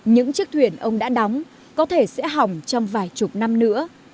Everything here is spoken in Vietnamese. những chiếc thuyền ông đã đóng có thể sẽ hỏng trong vài chục năm nữa